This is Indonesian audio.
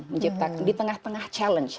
menciptakan di tengah tengah challenge